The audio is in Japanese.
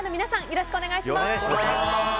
よろしくお願いします。